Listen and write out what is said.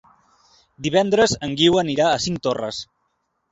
Divendres en Guiu anirà a Cinctorres.